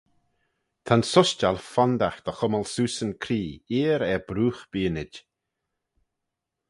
Ta'n sushtal fondagh dy chummal seose yn cree eer er broogh beaynid.